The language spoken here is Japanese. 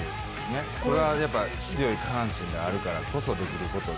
これはやっぱ、強い下半身があるからこそできることで。